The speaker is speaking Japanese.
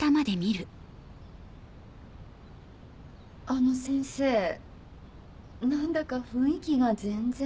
あの先生何だか雰囲気が全然。